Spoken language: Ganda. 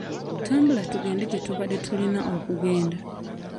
Tambula tugende gye tubadde tulina okugenda.